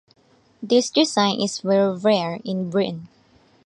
This design is very rare in Britain.